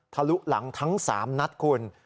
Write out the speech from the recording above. ลุหลังทั้ง๓นัดคุณ